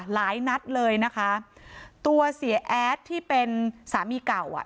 หลายนัดเลยนะคะตัวเสียแอดที่เป็นสามีเก่าอ่ะ